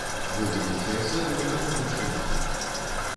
Вы будзеце эсэры, а мы бальшавікі.